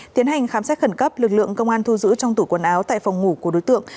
tiến hành khám xét khẩn cấp lực lượng công an thu giữ trong tủ quần áo tại phòng ngủ của đối tượng